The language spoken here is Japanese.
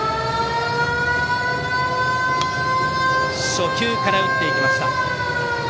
初球から打っていきました。